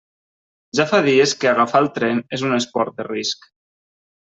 Ja fa dies que agafar el tren és un esport de risc.